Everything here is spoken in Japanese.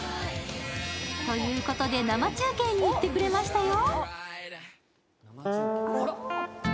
ということで、生中継に行ってくれましたよ。